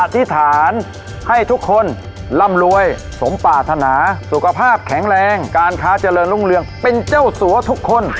ธิษฐานให้ทุกคนร่ำรวยสมปรารถนาสุขภาพแข็งแรงการค้าเจริญรุ่งเรืองเป็นเจ้าสัวทุกคน